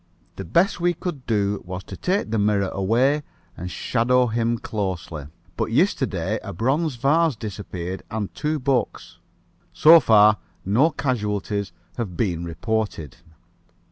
The best we could do was to take the mirror away and shadow him closely. But yesterday a bronze vase disappeared and two books. So far no casualties have been reported.